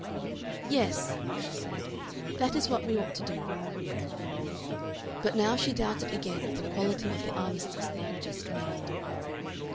"Yes," she said, "that is what we ought to do." But now she doubted again of the quality of the armistice they had just made.